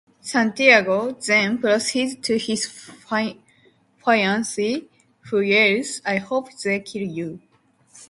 Santiago then proceeds to his fiancee, who yells, ...I hope they kill you!